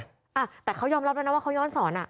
อ่ะแต่เขายอมรับแล้วนะว่าเขาย้อนสอนอ่ะ